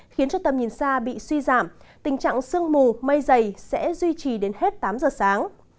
khiến cho tầm nhìn xa bị suy giảm tình trạng sương mù mây dày sẽ duy trì đến hết tám giờ sáng